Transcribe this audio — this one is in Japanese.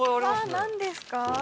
何ですか？